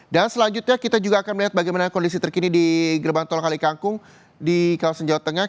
dan selanjutnya kita juga akan melihat bagaimana kondisi terkini di gerbang tol kalikangkung di kawasan jawa tengah